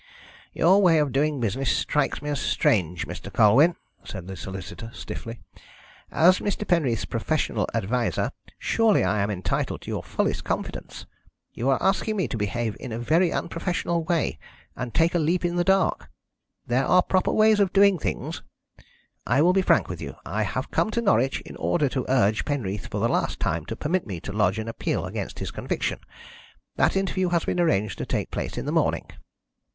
"Your way of doing business strikes me as strange, Mr. Colwyn," said the solicitor stiffly. "As Mr. Penreath's professional adviser, surely I am entitled to your fullest confidence. You are asking me to behave in a very unprofessional way, and take a leap in the dark. There are proper ways of doing things. I will be frank with you. I have come to Norwich in order to urge Penreath for the last time to permit me to lodge an appeal against his conviction. That interview has been arranged to take place in the morning."